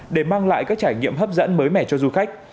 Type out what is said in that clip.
để mang lại các trải nghiệm hấp dẫn mới mẻ cho du khách